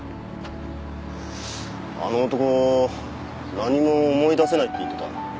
あの男何も思い出せないって言ってた。